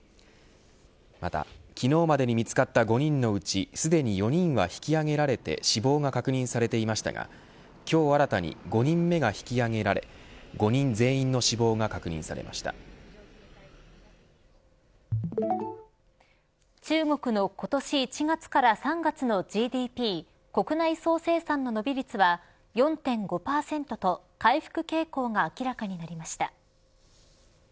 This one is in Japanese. また、昨日までに見つかった５人のうちすでに４人は引きあげられて死亡が確認されていましたが今日、新たに５人目が引きあげられ５人全員の死亡が中国の今年１月から３月のＧＤＰ国内総生産の伸び率は４．５％と回復傾向が明らかになりました。